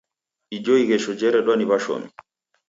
Ijo ighesho jeredwa ni w'ashomi.